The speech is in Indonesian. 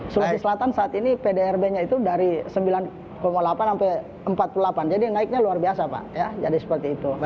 sulawesi selatan saat ini pdrb nya itu dari sembilan delapan sampai empat puluh delapan jadi naiknya luar biasa pak ya jadi seperti itu